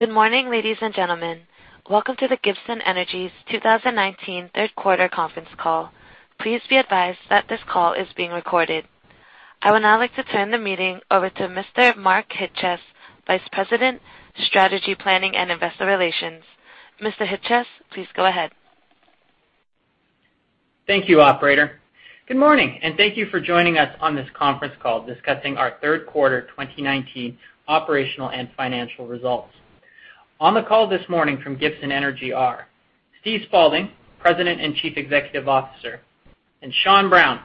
Good morning, ladies and gentlemen. Welcome to the Gibson Energy's 2019 third quarter conference call. Please be advised that this call is being recorded. I would now like to turn the meeting over to Mr. Mark Chyc-Cies, Vice President, Strategy, Planning and Investor Relations. Mr. Chyc-Cies, please go ahead. Thank you, operator. Good morning, and thank you for joining us on this conference call discussing our third quarter 2019 operational and financial results. On the call this morning from Gibson Energy are Steve Spaulding, President and Chief Executive Officer, and Sean Brown,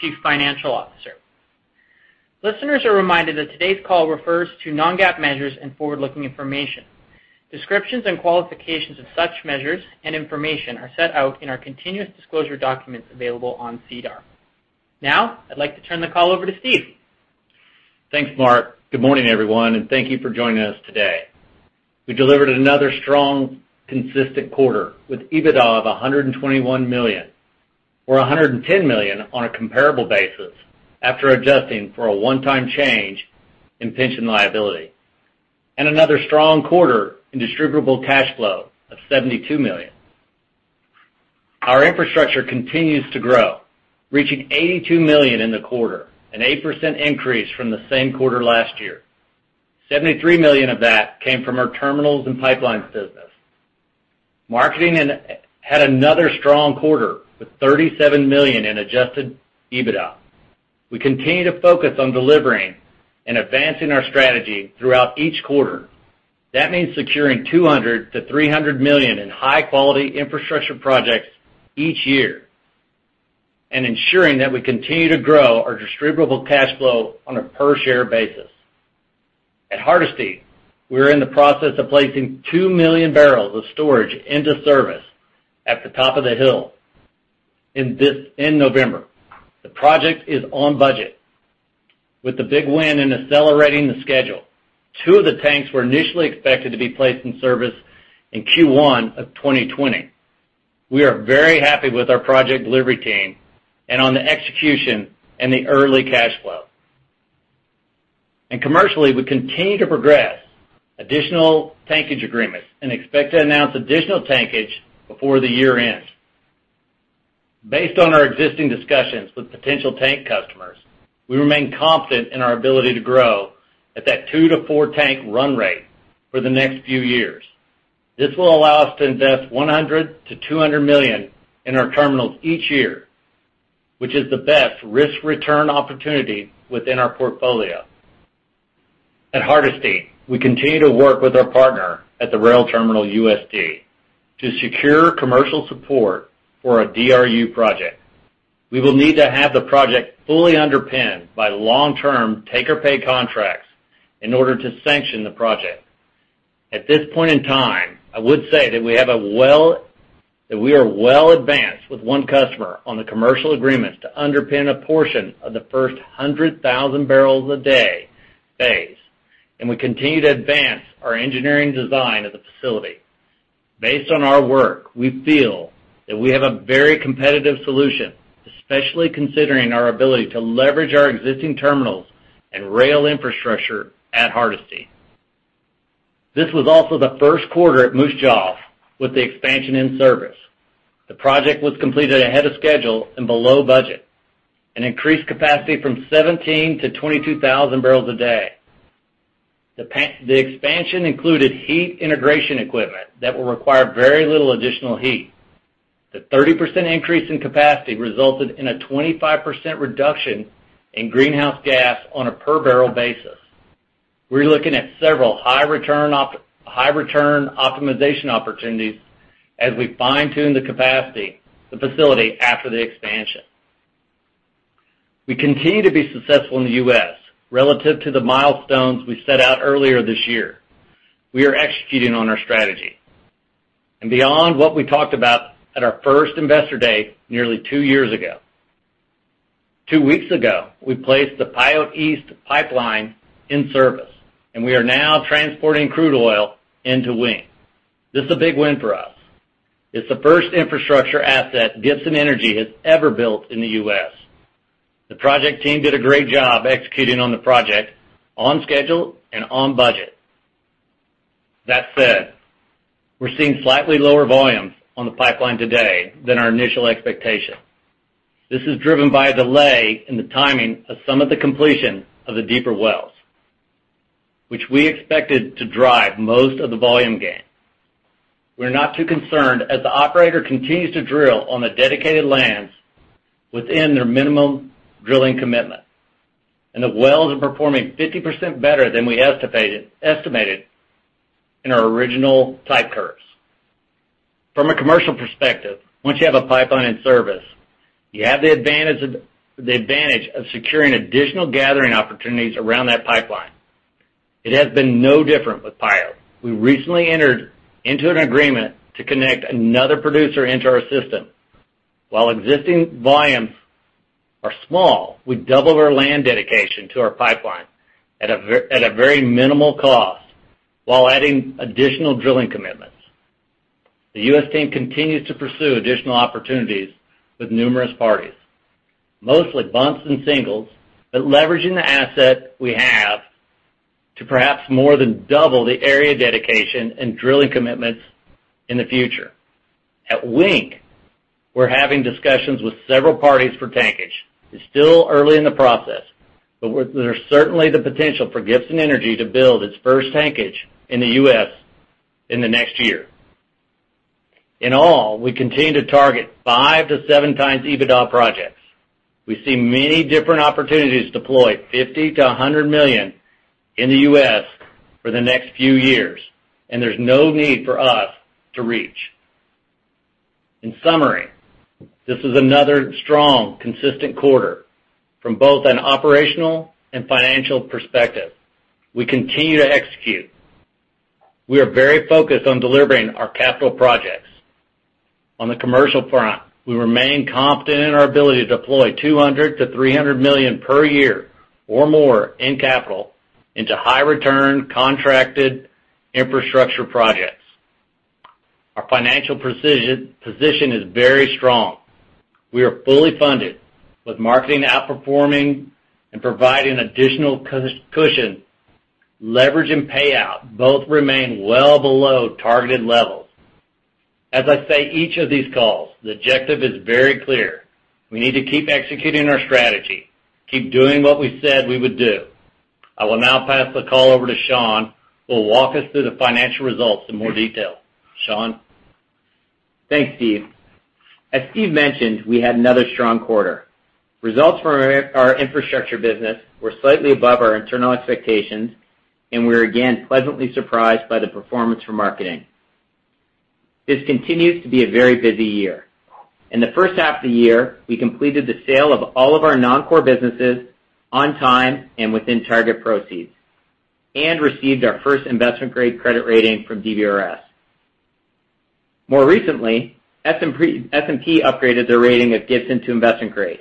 Chief Financial Officer. Listeners are reminded that today's call refers to non-GAAP measures and forward-looking information. Descriptions and qualifications of such measures and information are set out in our continuous disclosure documents available on SEDAR. I'd like to turn the call over to Steve. Thanks, Mark. Good morning, everyone. Thank you for joining us today. We delivered another strong, consistent quarter with EBITDA of CAD 121 million or CAD 110 million on a comparable basis after adjusting for a one-time change in pension liability and another strong quarter in distributable cash flow of 72 million. Our infrastructure continues to grow, reaching 82 million in the quarter, an 8% increase from the same quarter last year. 73 million of that came from our terminals and pipelines business. Marketing had another strong quarter with 37 million in adjusted EBITDA. We continue to focus on delivering and advancing our strategy throughout each quarter. That means securing 200 million-300 million in high-quality infrastructure projects each year and ensuring that we continue to grow our distributable cash flow on a per-share basis. At Hardisty, we're in the process of placing 2 million barrels of storage into service at the top of the hill in November. The project is on budget with the big win in accelerating the schedule. Two of the tanks were initially expected to be placed in service in Q1 of 2020. We are very happy with our project delivery team and on the execution and the early cash flow. Commercially, we continue to progress additional tankage agreements and expect to announce additional tankage before the year ends. Based on our existing discussions with potential tank customers, we remain confident in our ability to grow at that two to four tank run rate for the next few years. This will allow us to invest 100 million-200 million in our terminals each year, which is the best risk-return opportunity within our portfolio. At Hardisty, we continue to work with our partner at the rail terminal USD to secure commercial support for a DRU project. We will need to have the project fully underpinned by long-term take-or-pay contracts in order to sanction the project. At this point in time, I would say that we are well advanced with one customer on the commercial agreements to underpin a portion of the first 100,000 barrels a day phase, and we continue to advance our engineering design of the facility. Based on our work, we feel that we have a very competitive solution, especially considering our ability to leverage our existing terminals and rail infrastructure at Hardisty. This was also the first quarter at Moose Jaw with the expansion in service. The project was completed ahead of schedule and below budget and increased capacity from 17,000 to 22,000 barrels a day. The expansion included heat integration equipment that will require very little additional heat. The 30% increase in capacity resulted in a 25% reduction in greenhouse gas on a per-barrel basis. We're looking at several high-return optimization opportunities as we fine-tune the capacity, the facility after the expansion. We continue to be successful in the U.S. relative to the milestones we set out earlier this year. We are executing on our strategy and beyond what we talked about at our first Investor Day nearly two years ago. Two weeks ago, we placed the Pyote East Pipeline in service, and we are now transporting crude oil into Wink. This is a big win for us. It's the first infrastructure asset Gibson Energy has ever built in the U.S. The project team did a great job executing on the project on schedule and on budget. That said, we're seeing slightly lower volumes on the pipeline today than our initial expectation. This is driven by a delay in the timing of some of the completion of the deeper wells, which we expected to drive most of the volume gain. We're not too concerned as the operator continues to drill on the dedicated lands within their minimum drilling commitment, and the wells are performing 50% better than we estimated in our original type curves. From a commercial perspective, once you have a pipeline in service, you have the advantage of securing additional gathering opportunities around that pipeline. It has been no different with Pyote. We recently entered into an agreement to connect another producer into our system. While existing volumes are small, we doubled our land dedication to our pipeline at a very minimal cost while adding additional drilling commitments. The U.S. team continues to pursue additional opportunities with numerous parties. Mostly bumps and singles, but leveraging the asset we have to perhaps more than double the area dedication and drilling commitments in the future. At Wink, we're having discussions with several parties for tankage. It's still early in the process, but there's certainly the potential for Gibson Energy to build its first tankage in the U.S. in the next year. In all, we continue to target 5x to 7x EBITDA projects. We see many different opportunities to deploy 50 million to 100 million in the U.S. for the next few years, and there's no need for us to reach. In summary, this is another strong, consistent quarter from both an operational and financial perspective. We continue to execute. We are very focused on delivering our capital projects. On the commercial front, we remain confident in our ability to deploy 200 million-300 million per year or more in capital into high return contracted infrastructure projects. Our financial position is very strong. We are fully funded with marketing outperforming and providing additional cushion. Leverage and payout both remain well below targeted levels. As I say each of these calls, the objective is very clear. We need to keep executing our strategy, keep doing what we said we would do. I will now pass the call over to Sean, who will walk us through the financial results in more detail. Sean? Thanks, Steve. As Steve mentioned, we had another strong quarter. Results from our infrastructure business were slightly above our internal expectations. We're again pleasantly surprised by the performance from marketing. This continues to be a very busy year. In the first half of the year, we completed the sale of all of our non-core businesses on time and within target proceeds and received our first investment-grade credit rating from DBRS. More recently, S&P upgraded their rating of Gibson to investment grade,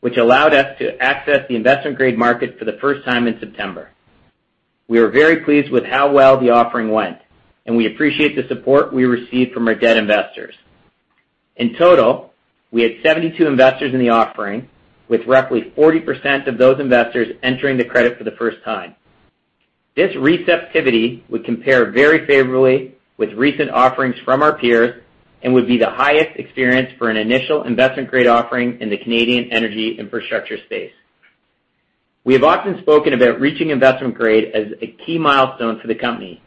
which allowed us to access the investment-grade market for the first time in September. We are very pleased with how well the offering went. We appreciate the support we received from our debt investors. In total, we had 72 investors in the offering, with roughly 40% of those investors entering the credit for the first time. This receptivity would compare very favorably with recent offerings from our peers and would be the highest experience for an initial investment-grade offering in the Canadian energy infrastructure space. We have often spoken about reaching investment grade as a key milestone for the company.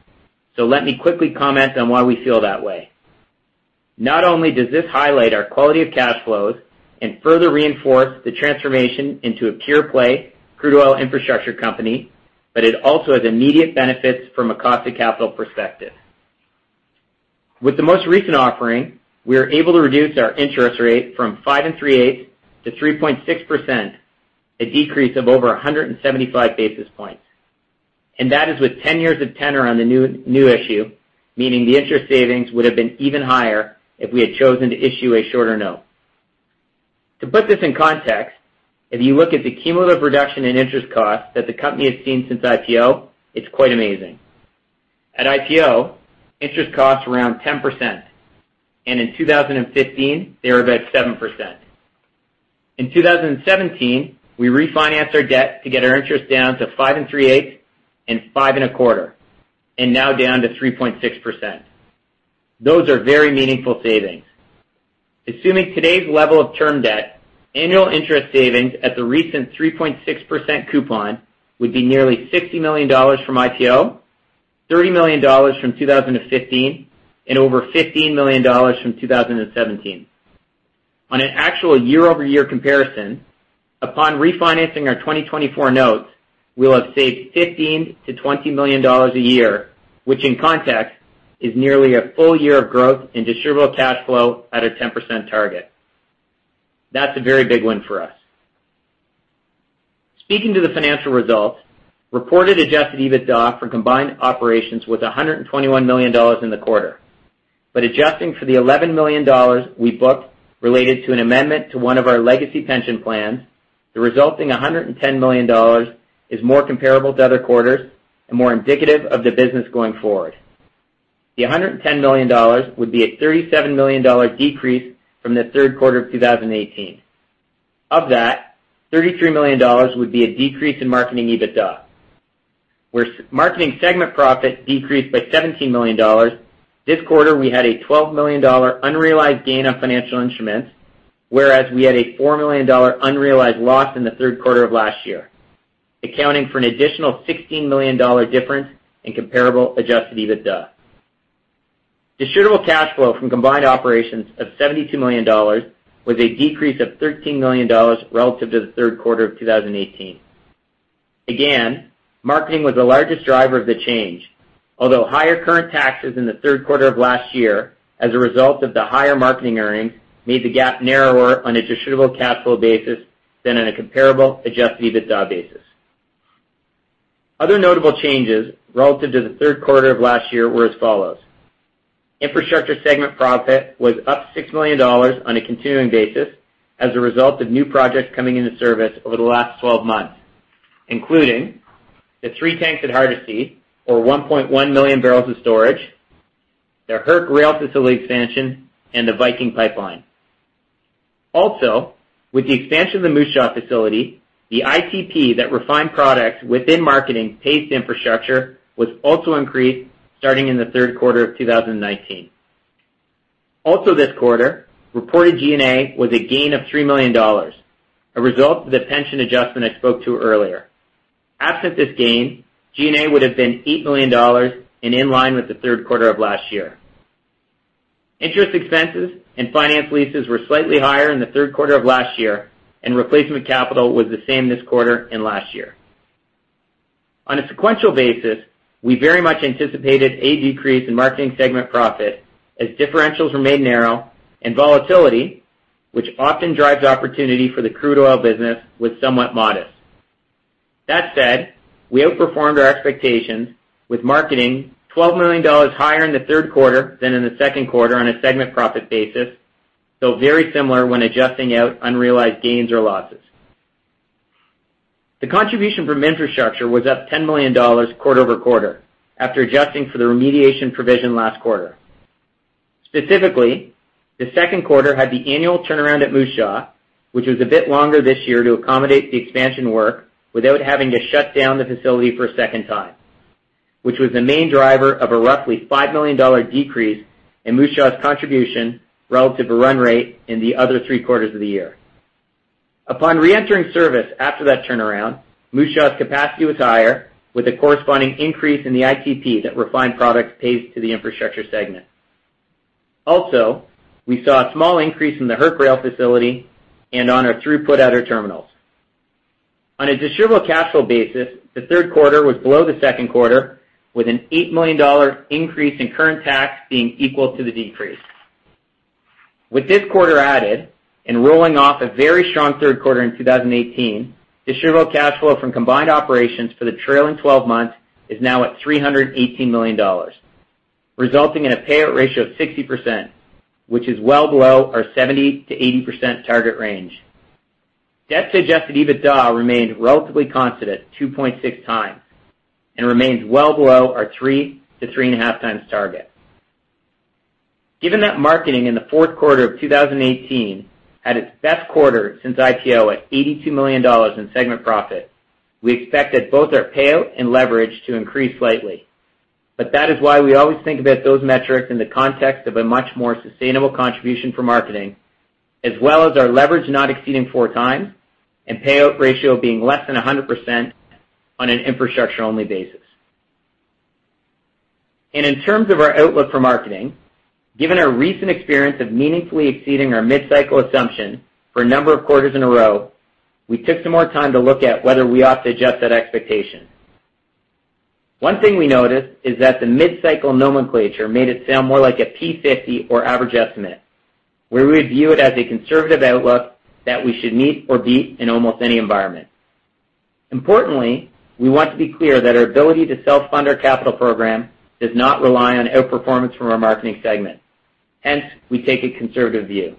Let me quickly comment on why we feel that way. Not only does this highlight our quality of cash flows and further reinforce the transformation into a pure-play crude oil infrastructure company, but it also has immediate benefits from a cost of capital perspective. With the most recent offering, we are able to reduce our interest rate from 5.38% to 3.6%, a decrease of over 175 basis points. That is with 10 years of tenor on the new issue, meaning the interest savings would have been even higher if we had chosen to issue a shorter note. To put this in context, if you look at the cumulative reduction in interest costs that the company has seen since IPO, it's quite amazing. At IPO, interest costs were around 10%, and in 2015, they were about 7%. In 2017, we refinanced our debt to get our interest down to 5.38% and 5.25%, and now down to 3.6%. Those are very meaningful savings. Assuming today's level of term debt, annual interest savings at the recent 3.6% coupon would be nearly 60 million dollars from IPO, 30 million dollars from 2015, and over 15 million dollars from 2017. On an actual year-over-year comparison, upon refinancing our 2024 notes, we will have saved 15 million-20 million dollars a year, which in context, is nearly a full year of growth in distributable cash flow at a 10% target. That's a very big win for us. Speaking to the financial results, reported adjusted EBITDA for combined operations was 121 million dollars in the quarter. Adjusting for the 11 million dollars we booked related to an amendment to one of our legacy pension plans, the resulting 110 million dollars is more comparable to other quarters and more indicative of the business going forward. The 110 million dollars would be a 37 million dollar decrease from the third quarter of 2018. Of that, 33 million dollars would be a decrease in marketing EBITDA, where marketing segment profit decreased by 17 million dollars. This quarter, we had a 12 million dollar unrealized gain on financial instruments, whereas we had a 4 million dollar unrealized loss in the third quarter of last year, accounting for an additional 16 million dollar difference in comparable adjusted EBITDA. Distributable cash flow from combined operations of 72 million dollars was a decrease of 13 million dollars relative to the third quarter of 2018. Again, marketing was the largest driver of the change, although higher current taxes in the third quarter of last year as a result of the higher marketing earnings made the gap narrower on a distributable cash flow basis than on a comparable adjusted EBITDA basis. Other notable changes relative to the third quarter of last year were as follows: infrastructure segment profit was up 6 million dollars on a continuing basis as a result of new projects coming into service over the last 12 months. Including the three tanks at Hardisty or 1.1 million barrels of storage, the HURC rail facility expansion, and the Viking Pipeline. With the expansion of the Moose Jaw facility, the ITP that refined products within marketing-paced infrastructure was also increased starting in the third quarter of 2019. Also this quarter, reported G&A was a gain of 3 million dollars, a result of the pension adjustment I spoke to earlier. Absent this gain, G&A would have been 8 million dollars and in line with the third quarter of last year. Interest expenses and finance leases were slightly higher in the third quarter of last year, and replacement capital was the same this quarter and last year. On a sequential basis, we very much anticipated a decrease in marketing segment profit as differentials remained narrow and volatility, which often drives opportunity for the crude oil business, was somewhat modest. That said, we outperformed our expectations with marketing 12 million dollars higher in the third quarter than in the second quarter on a segment profit basis, though very similar when adjusting out unrealized gains or losses. The contribution from infrastructure was up 10 million dollars quarter-over-quarter after adjusting for the remediation provision last quarter. Specifically, the second quarter had the annual turnaround at Moose Jaw, which was a bit longer this year to accommodate the expansion work without having to shut down the facility for a second time, which was the main driver of a roughly 5 million dollar decrease in Moose Jaw's contribution relative to run rate in the other three quarters of the year. Upon re-entering service after that turnaround, Moose Jaw's capacity was higher, with a corresponding increase in the ITP that refined products pays to the infrastructure segment. We saw a small increase in the HURC rail facility and on our throughput at our terminals. On a distributable capital basis, the third quarter was below the second quarter, with an 8 million dollar increase in current tax being equal to the decrease. With this quarter added and rolling off a very strong third quarter in 2018, distributable cash flow from combined operations for the trailing 12 months is now at 318 million dollars, resulting in a payout ratio of 60%, which is well below our 70%-80% target range. Debt to adjusted EBITDA remained relatively constant at 2.6x and remains well below our 3x to 3.5x target. Given that marketing in the fourth quarter of 2018 had its best quarter since IPO at 82 million dollars in segment profit, we expect that both our payout and leverage to increase slightly. That is why we always think about those metrics in the context of a much more sustainable contribution for marketing, as well as our leverage not exceeding 4x and payout ratio being less than 100% on an infrastructure-only basis. In terms of our outlook for marketing, given our recent experience of meaningfully exceeding our mid-cycle assumption for a number of quarters in a row, we took some more time to look at whether we ought to adjust that expectation. One thing we noticed is that the mid-cycle nomenclature made it sound more like a P50 or average estimate, where we would view it as a conservative outlook that we should meet or beat in almost any environment. Importantly, we want to be clear that our ability to self-fund our capital program does not rely on outperformance from our marketing segment. Hence, we take a conservative view.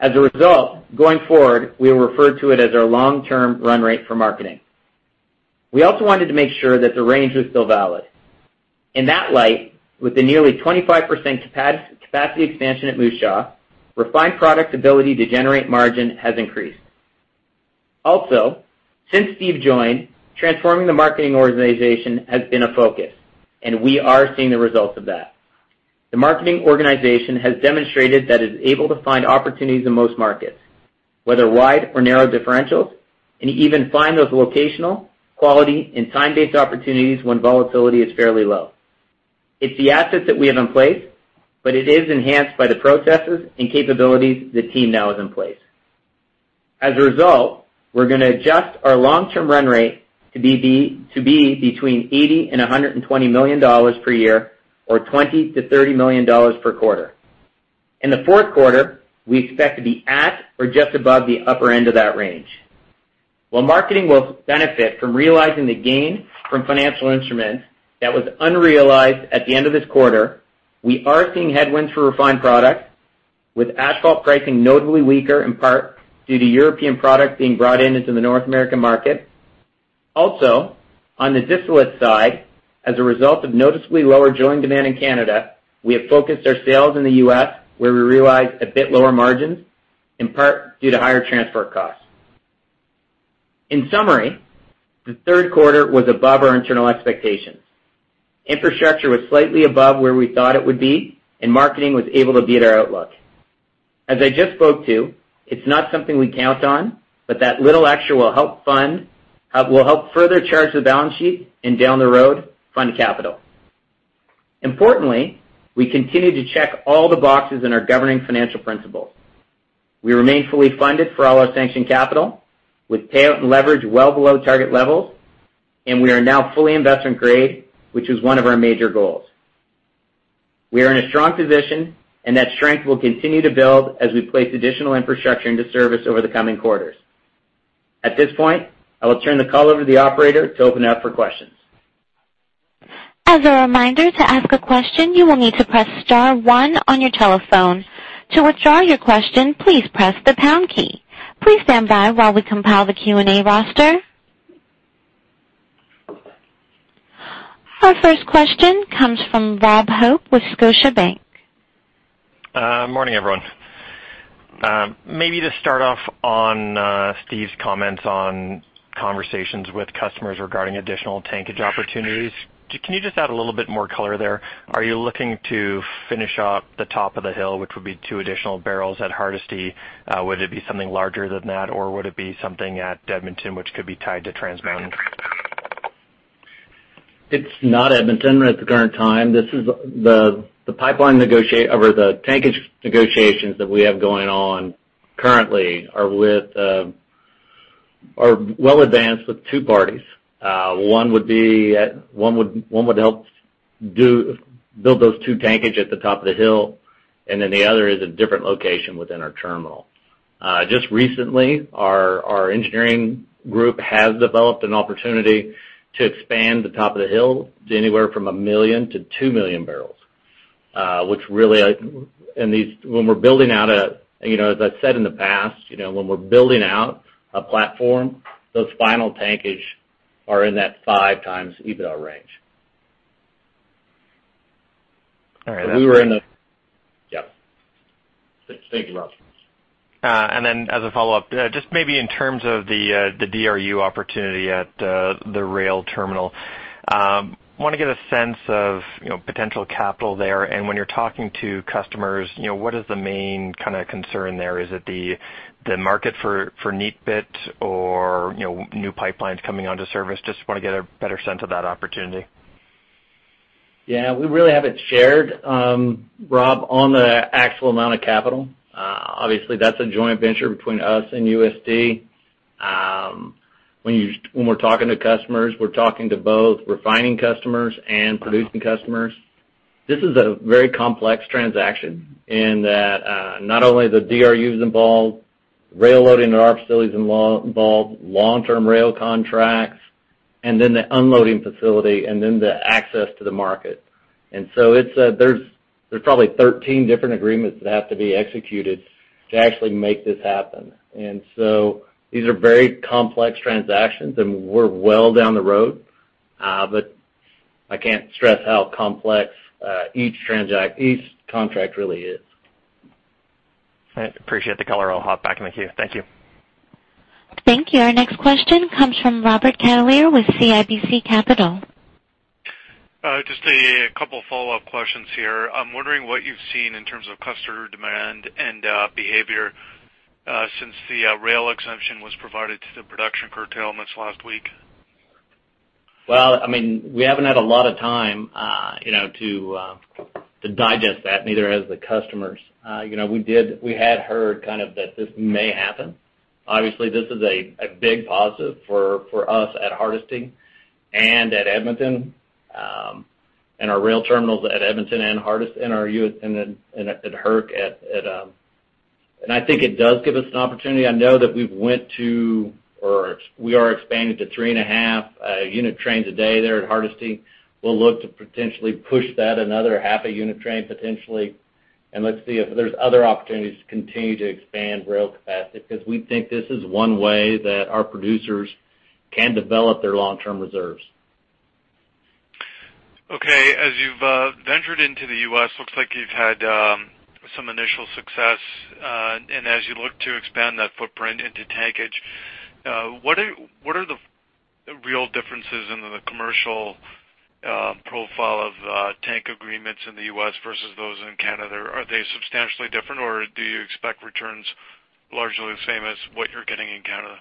As a result, going forward, we will refer to it as our long-term run rate for marketing. We also wanted to make sure that the range was still valid. In that light, with the nearly 25% capacity expansion at Moose Jaw, refined product ability to generate margin has increased. Also, since Steve joined, transforming the marketing organization has been a focus, and we are seeing the results of that. The marketing organization has demonstrated that it is able to find opportunities in most markets, whether wide or narrow differentials, and even find those locational, quality, and time-based opportunities when volatility is fairly low. It's the assets that we have in place, but it is enhanced by the processes and capabilities the team now has in place. As a result, we're going to adjust our long-term run rate to be between 80 million-120 million dollars per year or 20 million-30 million dollars per quarter. In the fourth quarter, we expect to be at or just above the upper end of that range. While marketing will benefit from realizing the gain from financial instruments that was unrealized at the end of this quarter, we are seeing headwinds for refined products, with asphalt pricing notably weaker, in part due to European product being brought in into the North American market. Also, on the distillate side, as a result of noticeably lower joint demand in Canada, we have focused our sales in the U.S., where we realize a bit lower margins, in part due to higher transfer costs. In summary, the third quarter was above our internal expectations. Infrastructure was slightly above where we thought it would be, and marketing was able to beat our outlook. As I just spoke to, it's not something we count on, but that little extra will help further charge the balance sheet and, down the road, fund capital. Importantly, we continue to check all the boxes in our governing financial principles. We remain fully funded for all our sanctioned capital, with payout and leverage well below target levels, and we are now fully investment-grade, which is one of our major goals. We are in a strong position, and that strength will continue to build as we place additional infrastructure into service over the coming quarters. At this point, I will turn the call over to the operator to open up for questions. As a reminder, to ask a question, you will need to press star one on your telephone. To withdraw your question, please press the pound key. Please stand by while we compile the Q&A roster. Our first question comes from Robert Hope with Scotiabank. Morning, everyone. Maybe to start off on Steve's comments on conversations with customers regarding additional tankage opportunities, can you just add a little bit more color there? Are you looking to finish up the top of the hill, which would be two additional barrels at Hardisty? Would it be something larger than that, or would it be something at Edmonton which could be tied to Trans Mountain? It's not Edmonton at the current time. The tankage negotiations that we have going on currently are well advanced with two parties. One would help build those two tankage at the Top of the Hill, and then the other is a different location within our terminal. Just recently, our engineering group has developed an opportunity to expand the Top of the Hill to anywhere from 1 million barrels-2 million barrels. As I've said in the past, when we're building out a platform, those final tankage are in that 5x EBITDA range. All right. Yes. Thank you, Rob. As a follow-up, just maybe in terms of the DRU opportunity at the rail terminal. I want to get a sense of potential capital there, and when you're talking to customers, what is the main kind of concern there? Is it the market for neatbit or new pipelines coming onto service? Just want to get a better sense of that opportunity. Yeah. We really haven't shared, Rob, on the actual amount of capital. Obviously, that's a joint venture between us and USD. When we're talking to customers, we're talking to both refining customers and producing customers. This is a very complex transaction in that not only are the DRUs involved, rail loading at our facility is involved, long-term rail contracts, and then the unloading facility, and then the access to the market. There's probably 13 different agreements that have to be executed to actually make this happen. These are very complex transactions, and we're well down the road. I can't stress how complex each contract really is. All right. Appreciate the color. I'll hop back in the queue. Thank you. Thank you. Our next question comes from Robert Catellier with CIBC Capital Markets. Just a couple follow-up questions here. I'm wondering what you've seen in terms of customer demand and behavior since the rail exemption was provided to the production curtailments last week. We haven't had a lot of time to digest that, neither have the customers. We had heard that this may happen. Obviously, this is a big positive for us at Hardisty and at Edmonton, and our rail terminals at Edmonton and at Hardisty. I think it does give us an opportunity. I know that we are expanding to three and a half unit trains a day there at Hardisty. We'll look to potentially push that another half a unit train potentially, let's see if there's other opportunities to continue to expand rail capacity because we think this is one way that our producers can develop their long-term reserves. Okay. As you've ventured into the U.S., looks like you've had some initial success, and as you look to expand that footprint into tankage, what are the real differences in the commercial profile of tank agreements in the U.S. versus those in Canada? Are they substantially different, or do you expect returns largely the same as what you're getting in Canada?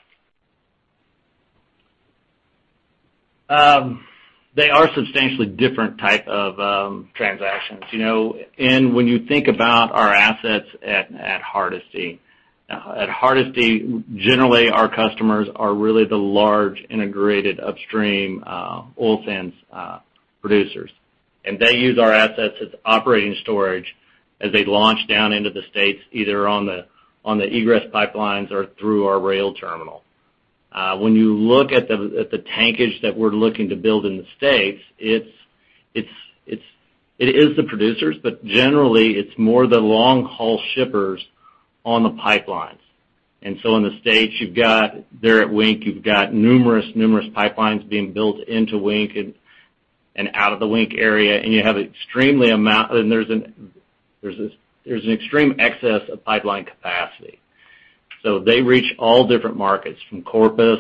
They are substantially different type of transactions. When you think about our assets at Hardisty, generally our customers are really the large integrated upstream oil sands producers. They use our assets as operating storage as they launch down into the U.S., either on the egress pipelines or through our rail terminal. When you look at the tankage that we're looking to build in the U.S., it is the producers, but generally, it's more the long-haul shippers on the pipelines. In the U.S., there at Wink, you've got numerous pipelines being built into Wink and out of the Wink area, and there's an extreme excess of pipeline capacity. They reach all different markets, from Corpus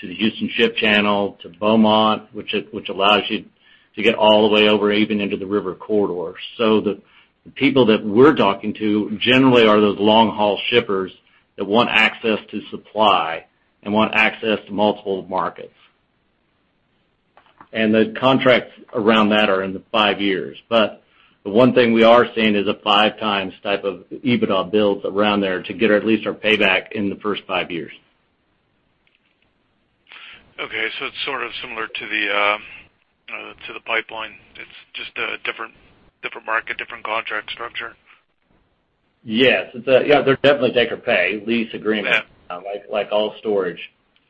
to the Houston Ship Channel to Beaumont, which allows you to get all the way over even into the river corridor. The people that we're talking to generally are those long-haul shippers that want access to supply and want access to multiple markets. The contracts around that are in the five years. The one thing we are seeing is a five times type of EBITDA builds around there to get at least our payback in the first five years. Okay. It's sort of similar to the pipeline. It's just a different market, different contract structure? Yes. They're definitely take-or-pay lease agreement, like all storage.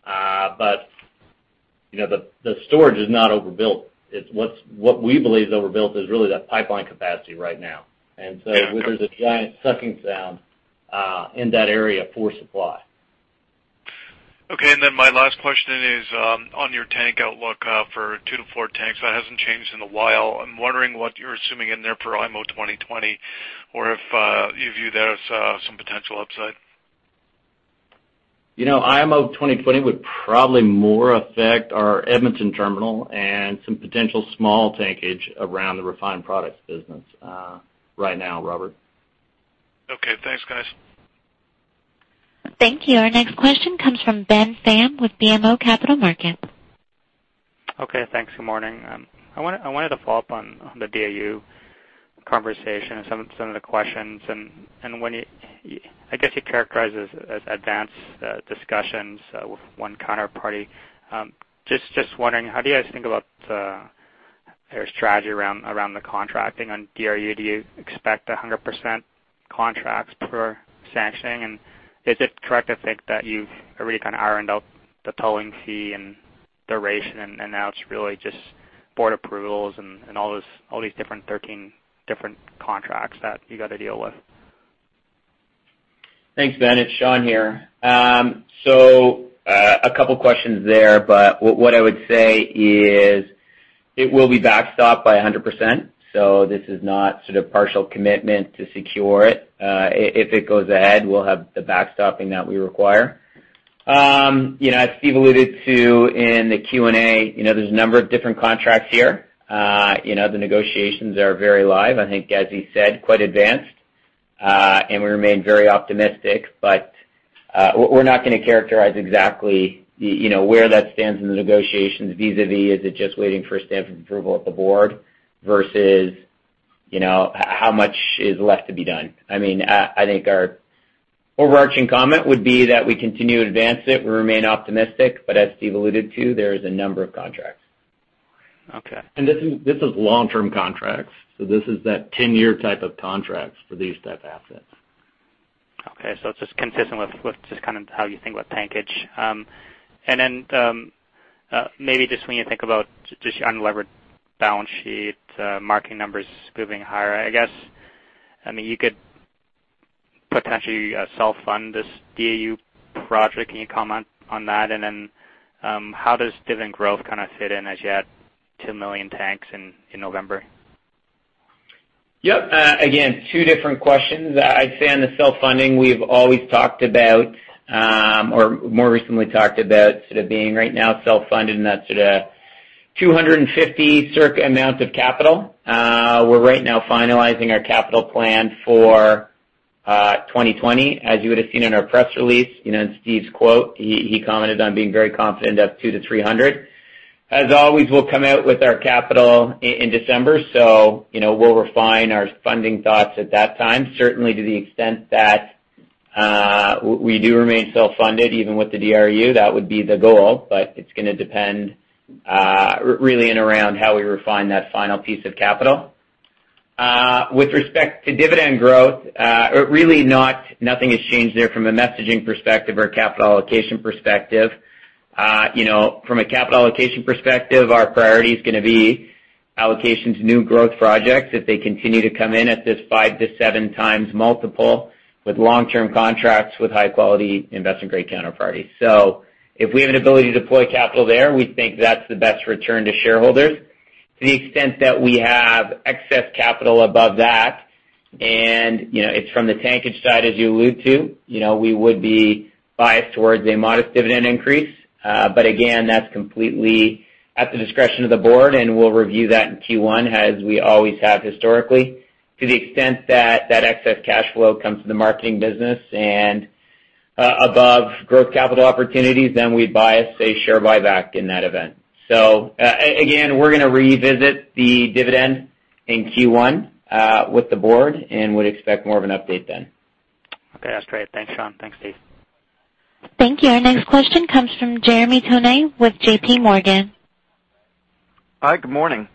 The storage is not overbuilt. What we believe is overbuilt is really that pipeline capacity right now. There's a giant sucking sound in that area for supply. My last question is on your tank outlook for two to four tanks. That hasn't changed in a while. I'm wondering what you're assuming in there for IMO 2020, or if you view that as some potential upside. IMO 2020 would probably more affect our Edmonton terminal and some potential small tankage around the refined products business right now, Robert. Okay, thanks, guys. Thank you. Our next question comes from Ben Pham with BMO Capital Markets. Okay, thanks. Good morning. I wanted to follow up on the DRU conversation and some of the questions. I guess you characterized it as advanced discussions with one counterparty. Just wondering, how do you guys think about your strategy around the contracting on DRU? Do you expect 100% contracts per sanctioning? Is it correct to think that you've already kind of ironed out the towing fee and the ratio, and now it's really just board approvals and all these 13 different contracts that you got to deal with? Thanks, Ben. It's Sean here. A couple questions there, but what I would say is it will be backstopped by 100%. This is not sort of partial commitment to secure it. If it goes ahead, we'll have the backstopping that we require. As Steve alluded to in the Q&A, there's a number of different contracts here. The negotiations are very live, I think as he said, quite advanced. We remain very optimistic, but we're not going to characterize exactly where that stands in the negotiations vis-a-vis, is it just waiting for standard approval at the board versus how much is left to be done. I think our overarching comment would be that we continue to advance it. We remain optimistic, but as Steve alluded to, there is a number of contracts. Okay. This is long-term contracts. This is that 10-year type of contracts for these type of assets. It's just consistent with just kind of how you think about tankage. Maybe just when you think about just your unlevered balance sheet, marketing numbers moving higher, I guess, you could potentially self-fund this DRU project. Can you comment on that? How does dividend growth kind of fit in as you add 2 million tanks in November? Yep. Again, two different questions. I'd say on the self-funding, we've always talked about or more recently talked about sort of being right now self-funded, and that's at a 250 circa amount of capital. We're right now finalizing our capital plan for 2020. As you would've seen in our press release, in Steve's quote, he commented on being very confident of 200-300. As always, we'll come out with our capital in December. We'll refine our funding thoughts at that time. Certainly to the extent that we do remain self-funded, even with the DRU, that would be the goal, but it's going to depend really in around how we refine that final piece of capital. With respect to dividend growth, really nothing has changed there from a messaging perspective or a capital allocation perspective. From a capital allocation perspective, our priority is going to be allocation to new growth projects if they continue to come in at this 5x to 7x multiple with long-term contracts with high-quality investment-grade counterparties. If we have an ability to deploy capital there, we think that's the best return to shareholders. To the extent that we have excess capital above that, and it's from the tankage side, as you allude to, we would be biased towards a modest dividend increase. Again, that's completely at the discretion of the board, and we'll review that in Q1, as we always have historically. To the extent that that excess cash flow comes from the marketing business and above growth capital opportunities, we'd bias a share buyback in that event. Again, we're going to revisit the dividend in Q1 with the board and would expect more of an update then. Okay. That's great. Thanks, Sean. Thanks, Steve. Thank you. Our next question comes from Jeremy Tonet with JP Morgan. Hi, good morning.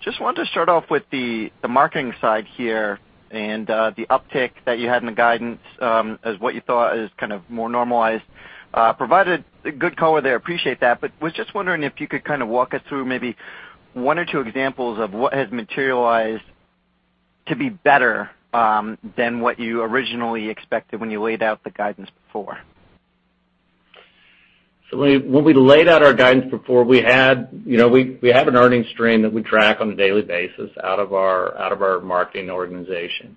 Just wanted to start off with the marketing side here and the uptick that you had in the guidance as what you thought is kind of more normalized. Provided a good color there, appreciate that, but was just wondering if you could kind of walk us through maybe one or two examples of what has materialized to be better than what you originally expected when you laid out the guidance before. When we laid out our guidance before, we have an earnings stream that we track on a daily basis out of our marketing organization.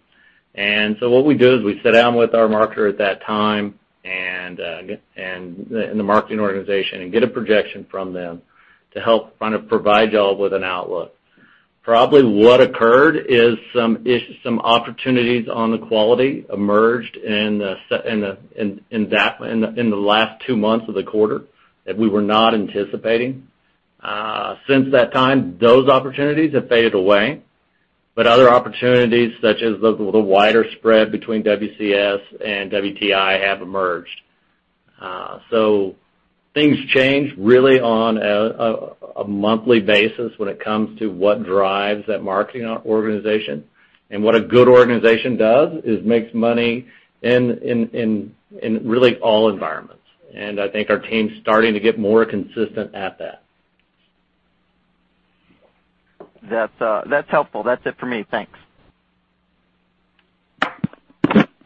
What we do is we sit down with our marketer at that time and the marketing organization and get a projection from them to help kind of provide you all with an outlook. Probably what occurred is some opportunities on the quality emerged in the last two months of the quarter that we were not anticipating. Since that time, those opportunities have faded away. Other opportunities, such as the wider spread between WCS and WTI, have emerged. Things change really on a monthly basis when it comes to what drives that marketing organization. What a good organization does is makes money in really all environments. I think our team's starting to get more consistent at that. That's helpful. That's it for me. Thanks.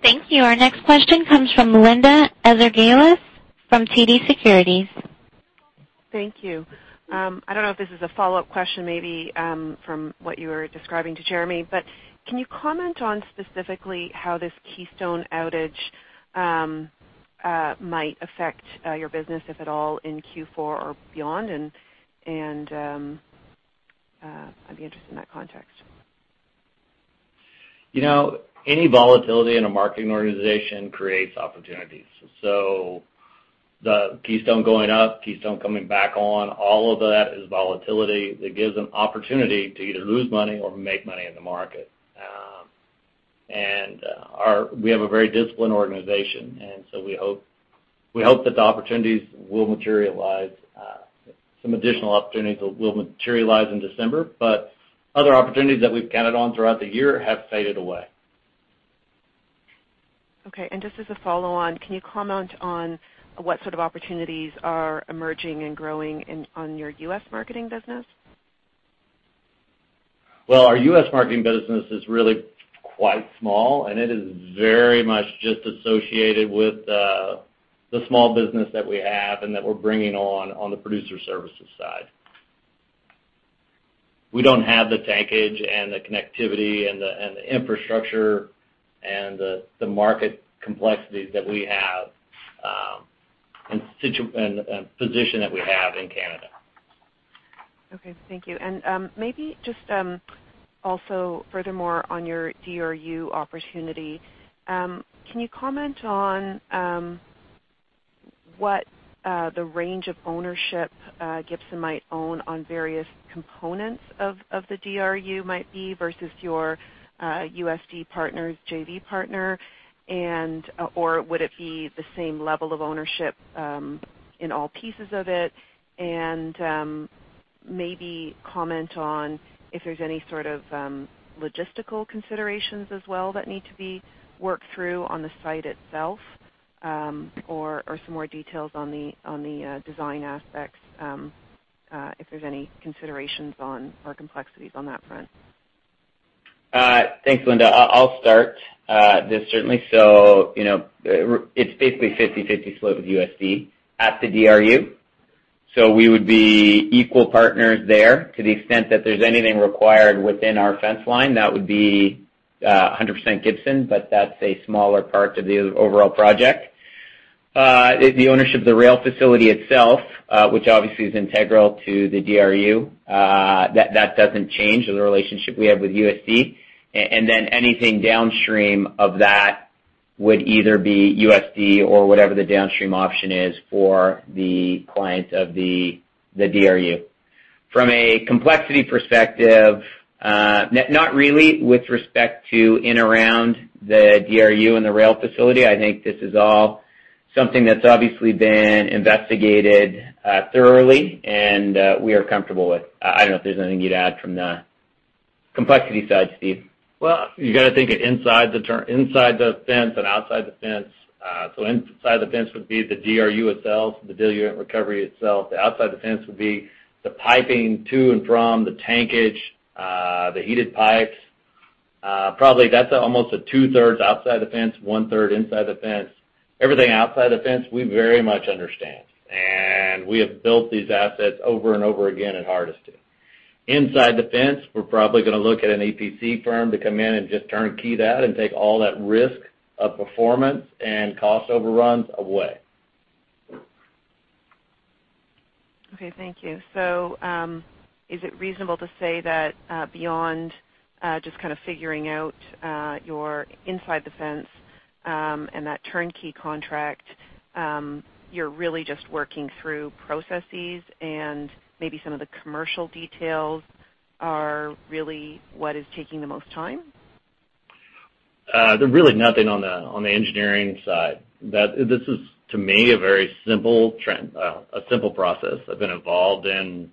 Thank you. Our next question comes from Linda Ezergailis from TD Securities. Thank you. I don't know if this is a follow-up question, maybe from what you were describing to Jeremy, but can you comment on specifically how this Keystone outage might affect your business, if at all, in Q4 or beyond? I'd be interested in that context. Any volatility in a marketing organization creates opportunities. The Keystone going up, Keystone coming back on, all of that is volatility that gives them opportunity to either lose money or make money in the market. We have a very disciplined organization, and so we hope that the opportunities will materialize. Some additional opportunities will materialize in December, other opportunities that we've counted on throughout the year have faded away. Okay, just as a follow-on, can you comment on what sort of opportunities are emerging and growing on your U.S. marketing business? Well, our U.S. marketing business is really quite small, and it is very much just associated with the small business that we have and that we're bringing on the producer services side. We don't have the tankage and the connectivity and the infrastructure and the market complexities that we have and position that we have in Canada. Okay, thank you. Maybe just also furthermore on your DRU opportunity, can you comment on what the range of ownership Gibson might own on various components of the DRU might be versus your USD partner, JV partner? Would it be the same level of ownership in all pieces of it? Maybe comment on if there's any sort of logistical considerations as well that need to be worked through on the site itself or some more details on the design aspects, if there's any considerations on or complexities on that front. Thanks, Linda. I'll start this, certainly. It's basically 50/50 split with USD at the DRU. We would be equal partners there to the extent that there's anything required within our fence line, that would be 100% Gibson, but that's a smaller part of the overall project. The ownership of the rail facility itself, which obviously is integral to the DRU, that doesn't change the relationship we have with USD. Anything downstream of that would either be USD or whatever the downstream option is for the client of the DRU. From a complexity perspective, not really with respect to in around the DRU and the rail facility. I think this is all something that's obviously been investigated thoroughly and we are comfortable with. I don't know if there's anything you'd add from the complexity side, Steve. You got to think of inside the fence and outside the fence. Inside the fence would be the DRU itself, the diluent recovery itself. The outside the fence would be the piping to and from the tankage, the heated pipes. Probably that's almost a 2/3 outside the fence, 1/3 inside the fence. Everything outside the fence, we very much understand. We have built these assets over and over again at Hardisty. Inside the fence, we're probably going to look at an EPC firm to come in and just turnkey that and take all that risk of performance and cost overruns away. Okay, thank you. Is it reasonable to say that, beyond just kind of figuring out your inside the fence, and that turnkey contract, you're really just working through processes and maybe some of the commercial details are really what is taking the most time? There really nothing on the engineering side. This is, to me, a very simple process. I've been involved in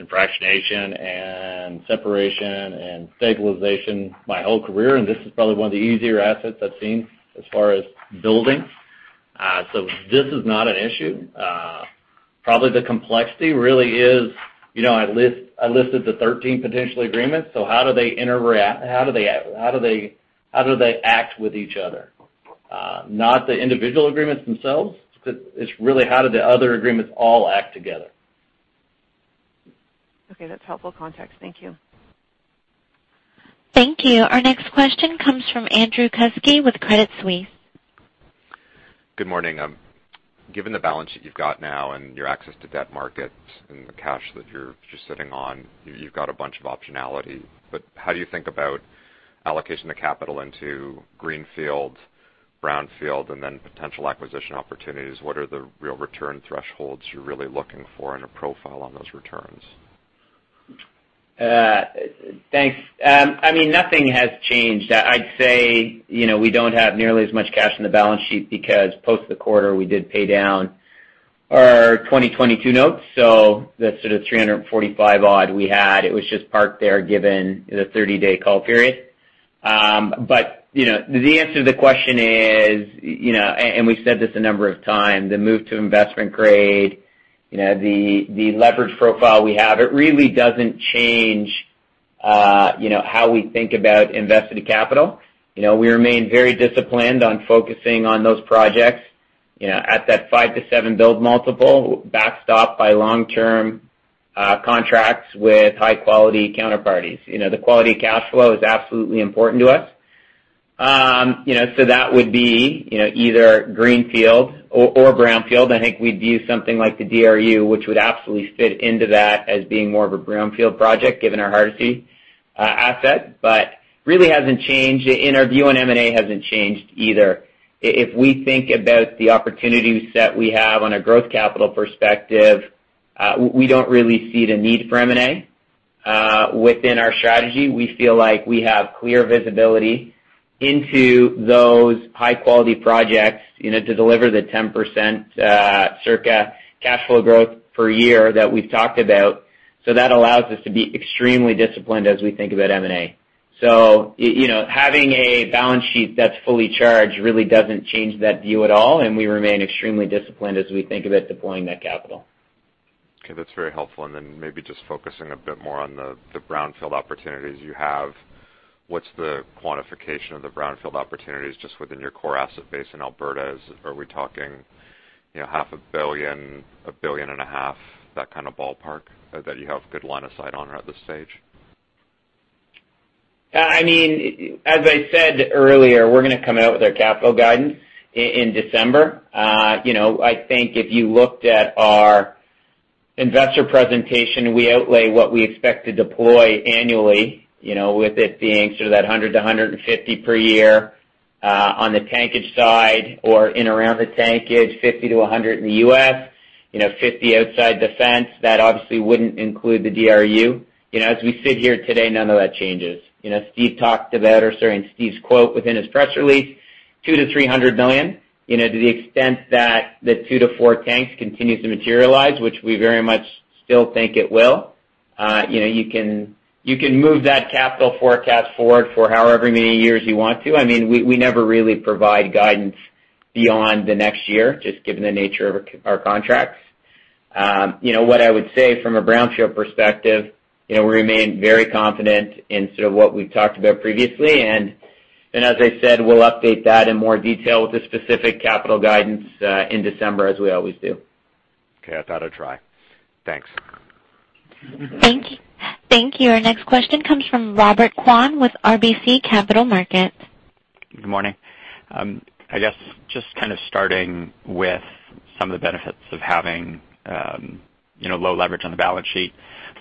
fractionation and separation and stabilization my whole career, and this is probably one of the easier assets I've seen as far as building. This is not an issue. Probably the complexity really is, I listed the 13 potential agreements. How do they interact? How do they act with each other? Not the individual agreements themselves. It's really how do the other agreements all act together. Okay. That's helpful context. Thank you. Thank you. Our next question comes from Andrew Kuske with Credit Suisse. Good morning. Given the balance that you've got now and your access to debt markets and the cash that you're sitting on, you've got a bunch of optionality. How do you think about allocation of capital into greenfield, brownfield, and then potential acquisition opportunities? What are the real return thresholds you're really looking for in a profile on those returns? Thanks. Nothing has changed. I'd say, we don't have nearly as much cash in the balance sheet because post the quarter, we did pay down our 2022 notes. That sort of 345 odd we had, it was just parked there given the 30-day call period. The answer to the question is, and we've said this a number of times, the move to investment grade, the leverage profile we have, it really doesn't change how we think about invested capital. We remain very disciplined on focusing on those projects at that 5x-7x build multiple, backstop by long-term contracts with high-quality counterparties. The quality of cash flow is absolutely important to us. That would be either greenfield or brownfield. I think we'd view something like the DRU, which would absolutely fit into that as being more of a brownfield project, given our Hardisty asset, but really hasn't changed. Our view on M&A hasn't changed either. If we think about the opportunity set we have on a growth capital perspective, we don't really see the need for M&A within our strategy. We feel like we have clear visibility into those high-quality projects to deliver the 10% circa cash flow growth per year that we've talked about. That allows us to be extremely disciplined as we think about M&A. Having a balance sheet that's fully charged really doesn't change that view at all, and we remain extremely disciplined as we think about deploying that capital. Okay. That's very helpful. Then maybe just focusing a bit more on the brownfield opportunities you have, what's the quantification of the brownfield opportunities just within your core asset base in Alberta? Are we talking CAD 500 million, 1.5 billion That kind of ballpark, that you have good line of sight on at this stage? As I said earlier, we're going to come out with our capital guidance in December. I think if you looked at our investor presentation, we outlay what we expect to deploy annually, with it being sort of that 100 million-150 million per year, on the tankage side or in around the tankage, 50 million-100 million in the U.S., 50 million outside the fence. That obviously wouldn't include the DRU. As we sit here today, none of that changes. Steve talked about, or sorry, in Steve's quote within his press release, 200 million-300 million. To the extent that the two to four tanks continue to materialize, which we very much still think it will, you can move that capital forecast forward for however many years you want to. We never really provide guidance beyond the next year, just given the nature of our contracts. What I would say from a brownfield perspective, we remain very confident in sort of what we've talked about previously. As I said, we'll update that in more detail with the specific capital guidance in December as we always do. Okay. I thought I'd try. Thanks. Thank you. Our next question comes from Robert Kwan with RBC Capital Markets. Good morning. I guess just kind of starting with some of the benefits of having low leverage on the balance sheet.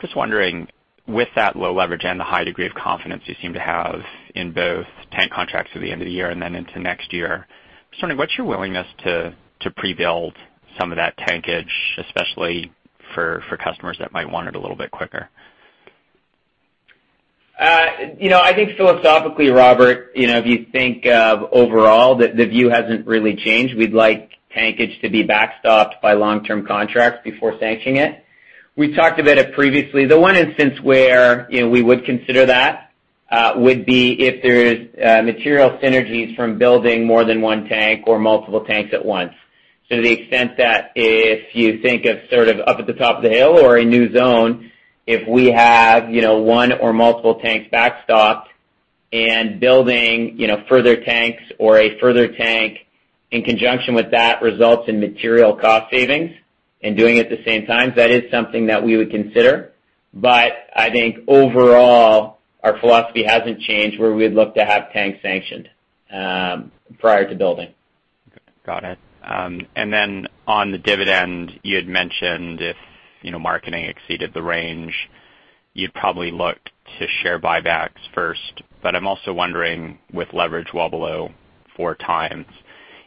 Just wondering, with that low leverage and the high degree of confidence you seem to have in both tank contracts at the end of the year and then into next year, just wondering, what's your willingness to pre-build some of that tankage, especially for customers that might want it a little bit quicker? I think philosophically, Robert, if you think of overall, the view hasn't really changed. We'd like tankage to be backstopped by long-term contracts before sanctioning it. We've talked about it previously. The one instance where we would consider that would be if there's material synergies from building more than one tank or multiple tanks at once. To the extent that if you think of sort of up at the top of the hill or a new zone, if we have one or multiple tanks backstopped and building further tanks or a further tank in conjunction with that results in material cost savings and doing it at the same time, that is something that we would consider. I think overall, our philosophy hasn't changed where we'd look to have tanks sanctioned prior to building. Got it. On the dividend, you'd mentioned if marketing exceeded the range, you'd probably look to share buybacks first. I'm also wondering, with leverage well below 4x,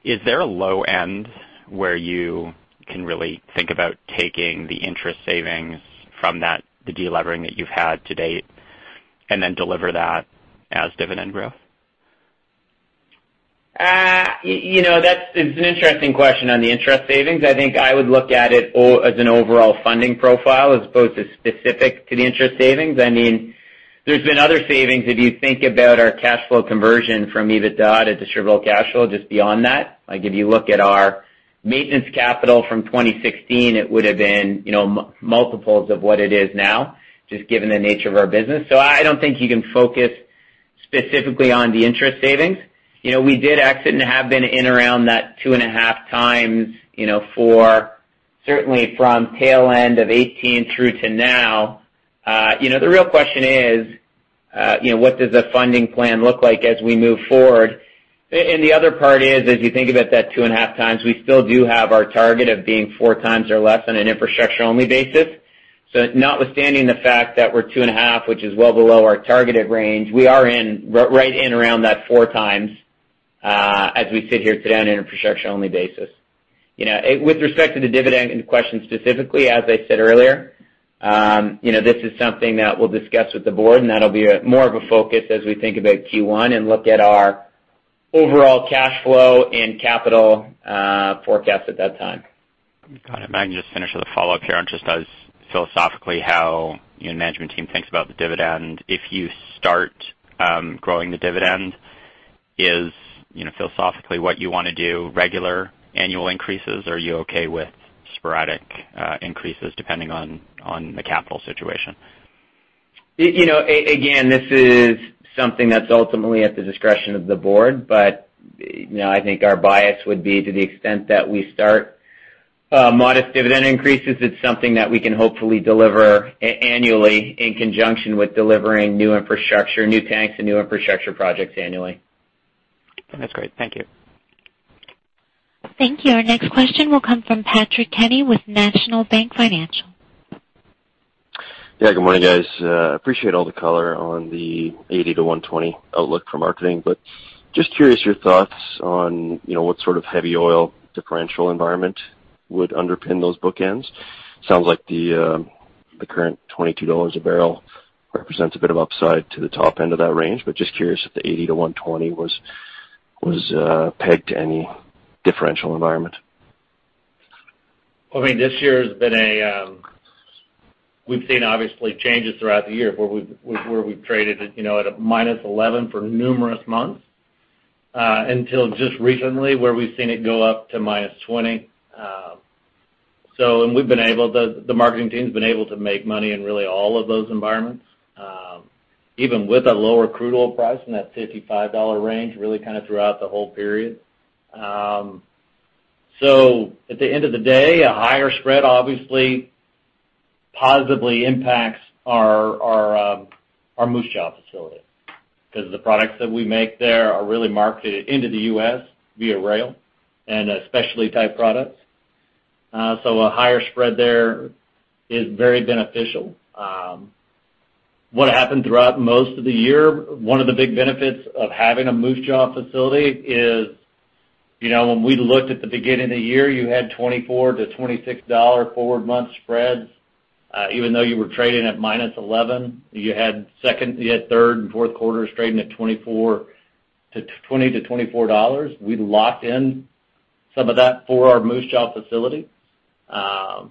is there a low end where you can really think about taking the interest savings from the de-levering that you've had to date and then deliver that as dividend growth? That is an interesting question on the interest savings. I think I would look at it as an overall funding profile as opposed to specific to the interest savings. There's been other savings. If you think about our cash flow conversion from EBITDA to distributable cash flow, just beyond that. Like if you look at our maintenance capital from 2016, it would've been multiples of what it is now, just given the nature of our business. I don't think you can focus specifically on the interest savings. We did exit and have been in around that 2.5x, certainly from tail end of 2018 through to now. The real question is, what does the funding plan look like as we move forward? The other part is, as you think about that two and a half times, we still do have our target of being four times or less on an infrastructure-only basis. Notwithstanding the fact that we're two and a half, which is well below our targeted range, we are right in around that four times. As we sit here today on an infrastructure-only basis. With respect to the dividend question specifically, as I said earlier, this is something that we'll discuss with the board, and that'll be more of a focus as we think about Q1 and look at our overall cash flow and capital forecast at that time. Got it. Maybe I can just finish with a follow-up here on just as philosophically how management team thinks about the dividend. If you start growing the dividend, is philosophically what you want to do regular annual increases, or are you okay with sporadic increases depending on the capital situation? Again, this is something that's ultimately at the discretion of the board, but I think our bias would be to the extent that we start modest dividend increases. It's something that we can hopefully deliver annually in conjunction with delivering new infrastructure, new tanks, and new infrastructure projects annually. That's great. Thank you. Thank you. Our next question will come from Patrick Kenny with National Bank Financial. Good morning, guys. Appreciate all the color on the 80 million-120 million outlook for marketing, but just curious your thoughts on what sort of heavy oil differential environment would underpin those bookends. Sounds like the current $22 a barrel represents a bit of upside to the top end of that range, but just curious if the 80 million-120 million was pegged to any differential environment? I mean, this year has been We've seen, obviously, changes throughout the year where we've traded at a minus 11 million for numerous months, until just recently where we've seen it go up to minus 20 million. The marketing team's been able to make money in really all of those environments, even with a lower crude oil price in that $55 range, really kind of throughout the whole period. At the end of the day, a higher spread obviously positively impacts our Moose Jaw facility because the products that we make there are really marketed into the U.S. via rail and are specialty-type products. A higher spread there is very beneficial. What happened throughout most of the year, one of the big benefits of having a Moose Jaw facility is when we looked at the beginning of the year, you had $24 million-$26 million forward-month spreads even though you were trading at minus 11 million. You had third and fourth quarters trading at $20 million-$24 million. We locked in some of that for our Moose Jaw facility, and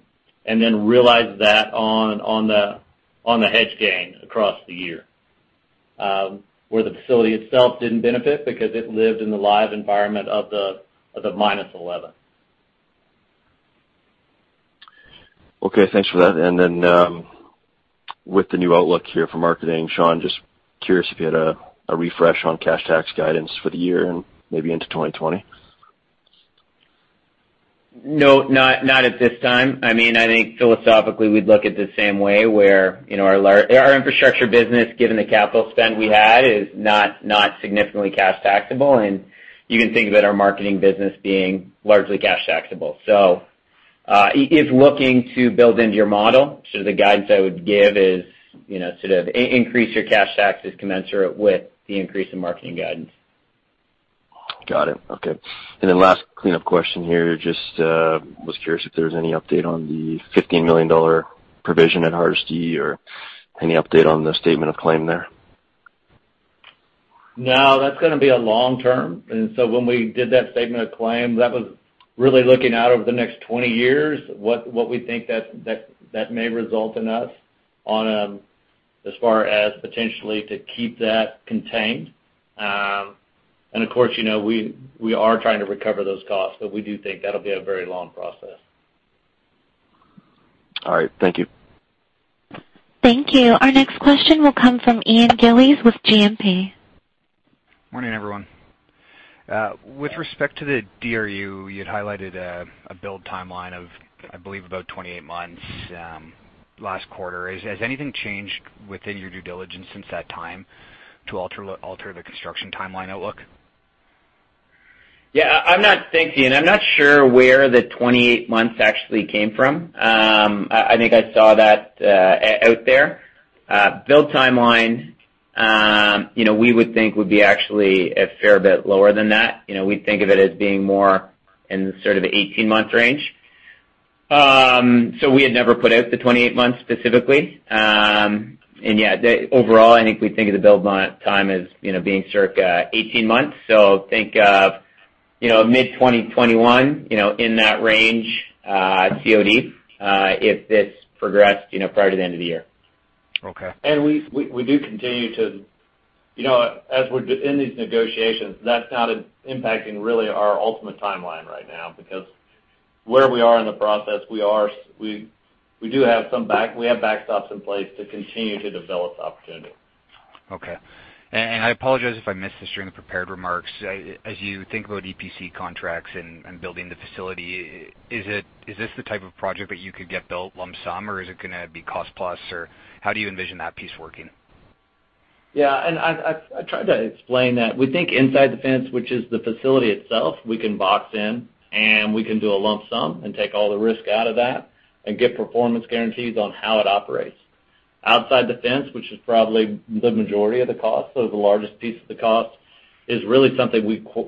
then realized that on the hedge gain across the year, where the facility itself didn't benefit because it lived in the live environment of the minus 11 million. Okay, thanks for that. With the new outlook here for marketing, Sean, just curious if you had a refresh on cash tax guidance for the year and maybe into 2020? No, not at this time. I think philosophically, we'd look at it the same way, where our infrastructure business, given the capital spend we had, is not significantly cash taxable, and you can think about our marketing business being largely cash taxable. If looking to build into your model, sort of the guidance I would give is sort of increase your cash taxes commensurate with the increase in marketing guidance. Got it. Okay. Last cleanup question here. Just was curious if there was any update on the $15 million provision at Hardisty or any update on the statement of claim there? No, that's going to be a long term. When we did that statement of claim, that was really looking out over the next 20 years, what we think that may result in us as far as potentially to keep that contained. Of course, we are trying to recover those costs, but we do think that'll be a very long process. All right. Thank you. Thank you. Our next question will come from Ian Gillies with GMP. Morning, everyone. With respect to the DRU, you had highlighted a build timeline of, I believe, about 28 months last quarter. Has anything changed within your due diligence since that time to alter the construction timeline outlook? Yeah. Thanks, Ian. I'm not sure where the 28 months actually came from. I think I saw that out there. Build timeline, we would think would be actually a fair bit lower than that. We think of it as being more in the sort of 18-month range. We had never put out the 28 months specifically. Yeah, overall, I think we think of the build time as being circa 18 months. Think of mid-2021, in that range, COD, if this progressed prior to the end of the year. Okay. As we're in these negotiations, that's not impacting really our ultimate timeline right now because where we are in the process, we have backstops in place to continue to develop the opportunity. Okay. I apologize if I missed this during the prepared remarks. As you think about EPC contracts and building the facility, is this the type of project that you could get built lump sum, or is it going to be cost plus, or how do you envision that piece working? Yeah. I tried to explain that. We think inside the fence, which is the facility itself, we can box in, and we can do a lump sum and take all the risk out of that and get performance guarantees on how it operates. Outside the fence, which is probably the majority of the cost or the largest piece of the cost, is really something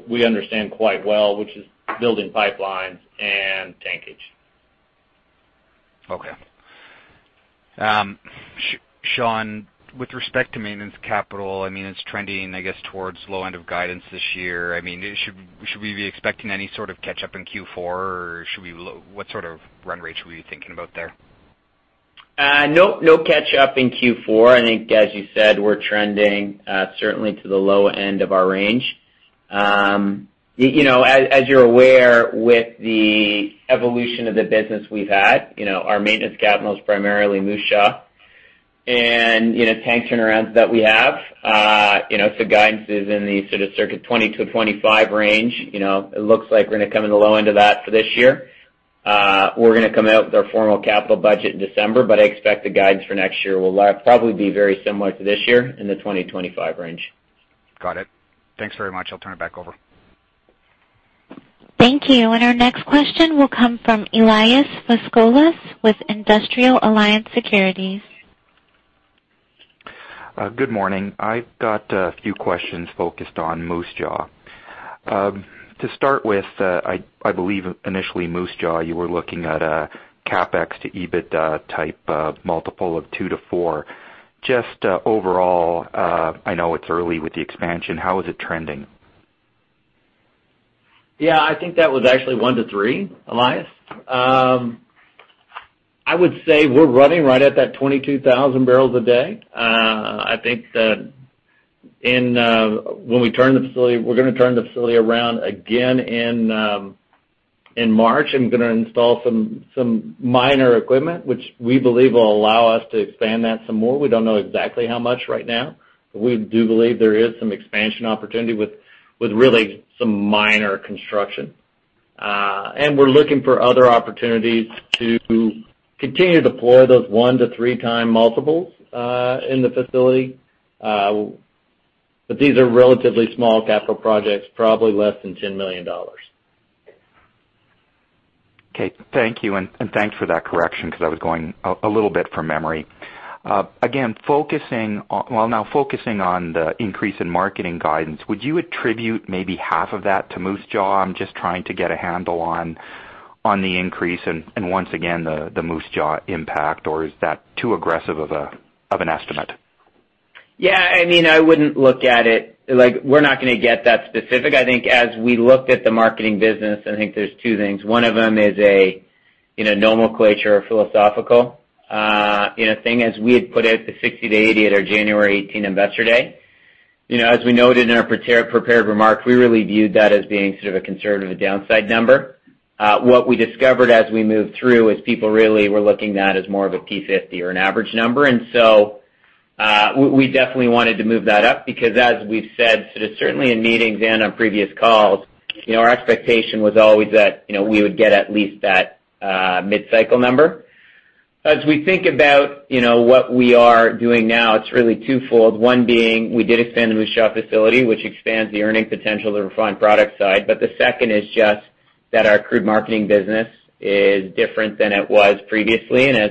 we understand quite well, which is building pipelines and tankage. Okay. Sean, with respect to maintenance capital, it's trending, I guess, towards low end of guidance this year. Should we be expecting any sort of catch-up in Q4? What sort of run rate should we be thinking about there? No catch-up in Q4. I think as you said, we're trending certainly to the low end of our range. As you're aware, with the evolution of the business we've had, our maintenance capital is primarily Moose Jaw and tank turnarounds that we have. Guidance is in the sort of circa 20-25 range. It looks like we're going to come in the low end of that for this year. We're going to come out with our formal capital budget in December, I expect the guidance for next year will probably be very similar to this year, in the 20-25 range. Got it. Thanks very much. I'll turn it back over. Thank you. Our next question will come from Elias Foscolos with Industrial Alliance Securities. Good morning. I've got a few questions focused on Moose Jaw. To start with, I believe initially Moose Jaw, you were looking at a CapEx to EBITDA type multiple of 2x to 4x. Just overall, I know it's early with the expansion, how is it trending? Yeah, I think that was actually one to three, Elias. I would say we're running right at that 22,000 barrels a day. I think that when we turn the facility, we're going to turn the facility around again in March, and we're going to install some minor equipment, which we believe will allow us to expand that some more. We don't know exactly how much right now, but we do believe there is some expansion opportunity with really some minor construction. We're looking for other opportunities to continue to deploy those one to three time multiples in the facility. These are relatively small capital projects, probably less than $10 million. Thank you, and thanks for that correction, because I was going a little bit from memory. Now focusing on the increase in marketing guidance, would you attribute maybe half of that to Moose Jaw? I am just trying to get a handle on the increase and once again, the Moose Jaw impact, or is that too aggressive of an estimate? We're not going to get that specific. I think as we looked at the marketing business, I think there's two things. One of them is a nomenclature or philosophical thing, as we had put out the 60 to 80 at our January 2018 Investor Day. We noted in our prepared remarks, we really viewed that as being sort of a conservative downside number. We discovered as we moved through is people really were looking at that as more of a P50 or an average number. We definitely wanted to move that up because as we've said, sort of certainly in meetings and on previous calls, our expectation was always that we would get at least that mid-cycle number. We think about what we are doing now, it's really twofold. We did expand the Moose Jaw facility, which expands the earning potential of the refined product side. The second is just that our crude marketing business is different than it was previously, and has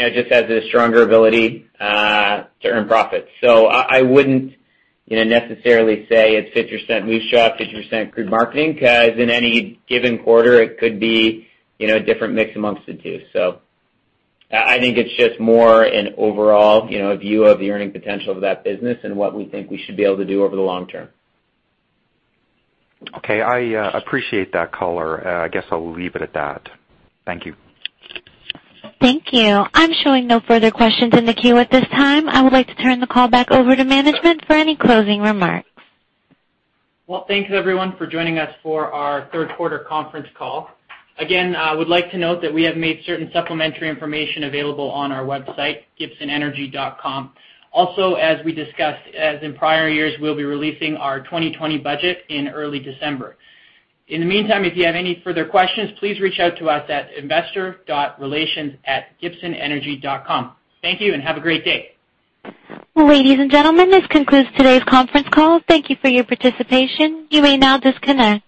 it proven that it just has a stronger ability to earn profits. I wouldn't necessarily say it's 50% Moose Jaw, 50% crude marketing, because in any given quarter, it could be a different mix amongst the two. I think it's just more an overall view of the earning potential of that business and what we think we should be able to do over the long term. Okay. I appreciate that color. I guess I'll leave it at that. Thank you. Thank you. I'm showing no further questions in the queue at this time. I would like to turn the call back over to management for any closing remarks. Well, thanks everyone for joining us for our third quarter conference call. Again, I would like to note that we have made certain supplementary information available on our website, gibsonenergy.com. Also, as we discussed, as in prior years, we'll be releasing our 2020 budget in early December. In the meantime, if you have any further questions, please reach out to us at investor.relations@gibsonenergy.com. Thank you, and have a great day. Ladies and gentlemen, this concludes today's conference call. Thank you for your participation. You may now disconnect.